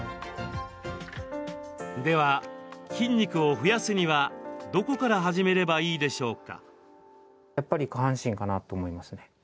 では筋肉を増やすにはどこから始めればいいでしょうか。